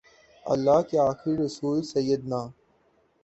اللہ کے آخری رسول سیدنا